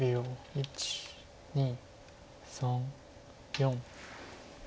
１２３４。